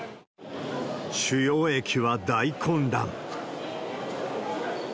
主要駅は大混乱。